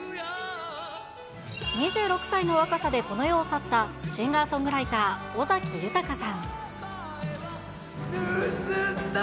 ２６歳の若さでこの世を去った、シンガーソングライター、尾崎豊さん。